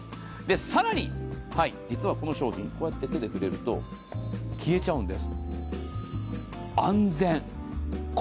更に、実はこの商品こうやって手で触れると消えちゃうんです。